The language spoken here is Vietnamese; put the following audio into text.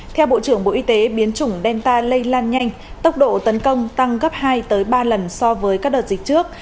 theo bộ trưởng bộ y tế biến chủng delta lây lan nhanh tốc độ tấn công tăng gấp hai ba lần so với các đợt dịch trước